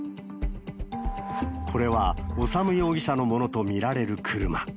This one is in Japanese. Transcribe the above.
これは修容疑者のものと見られる車。